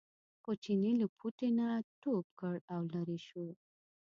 خو چیني له پوټي نه ټوپ کړ او لرې شو.